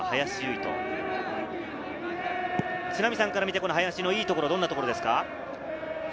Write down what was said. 都並さんから見て林のいいところはどんなところですか？